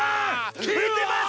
聞いてます！？